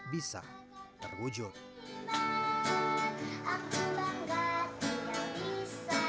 ketika dia berada di dalam kota dia berpikir oh ini adalah anak anak jalanan yang tersebar